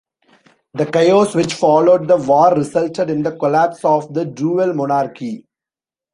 The chaos which followed the war resulted in the collapse of the Dual Monarchy.